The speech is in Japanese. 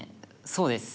そうです。